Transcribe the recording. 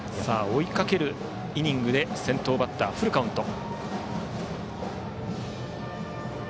追いかけるイニングで先頭バッターがフルカウント。